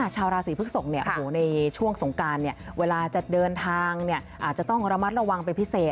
ชาวราศีพึกศกเนี่ยในช่วงสงครานเนี่ยเวลาจะเดินทางเนี่ยอาจจะต้องระมัดระวังเป็นพิเศษ